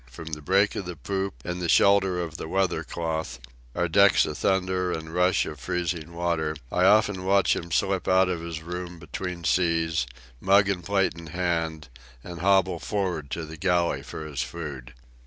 From the break of the poop, in the shelter of the weather cloth, our decks a thunder and rush of freezing water, I often watch him slip out of his room between seas, mug and plate in hand, and hobble for'ard to the galley for his food.